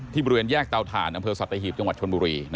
ที่บริเวณแยกเตาธ่าน